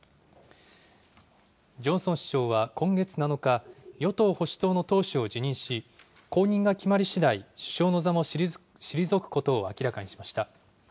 ジョンソン首相は今月７日、与党・保守党の党首を辞任し、後任が決まりしだい首相の座も退くことを明らかにしました。